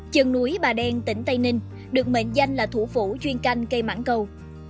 chân núi bà đen tỉnh tây ninh được mệnh danh là thủ phủ chuyên canh cây mãng cầu